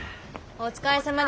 お疲れさまです。